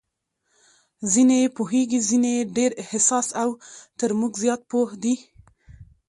ځینې یې پوهېږي، ځینې یې ډېر حساس او تر موږ زیات پوه دي.